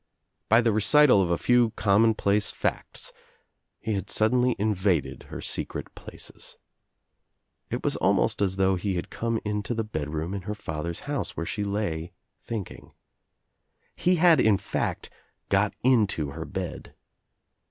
By the recital of a few ■ commonplace facts he had suddenly invaded her secret places. It was almost as though he had come into the bedroom in her father's house where she lay thinking. He had in fact got into her bed.